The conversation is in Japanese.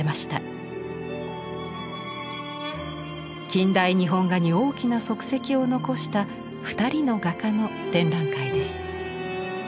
近代日本画に大きな足跡を残した二人の画家の展覧会です。